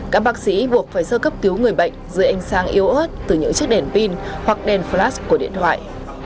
các bác sĩ buộc phải sơ cấp cứu người bệnh dưới ánh sáng yếu ớt từ những chiếc đèn pin hoặc đèn flash của điện thoại